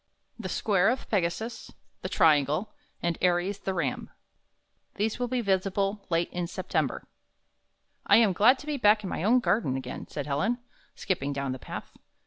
THE SQUARE OF PEGASUS, THE TRIANGLE, AND ARIES, THE RAM These will he visible late in September "1 am glad to be back in my own garden again," said Helen, skipping down the path.